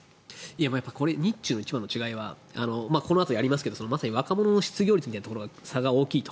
日中の一番の違いはこのあとやりますけど、まさに若者の失業率みたいなところの差が大きいと。